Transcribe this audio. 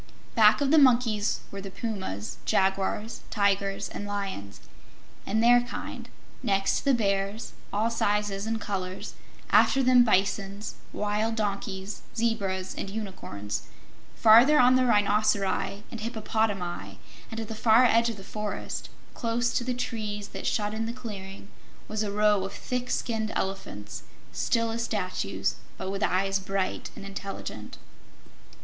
Back of the monkeys were the pumas, jaguars, tigers and lions, and their kind; next the bears, all sizes and colors; after them bisons, wild asses, zebras and unicorns; farther on the rhinoceri and hippopotami, and at the far edge of the forest, close to the trees that shut in the clearing, was a row of thick skinned elephants, still as statues but with eyes bright and intelligent.